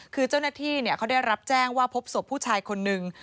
คือเจ้าหน้าที่เขาได้รับแจ้งว่าพบศพผู้ชายคนนึง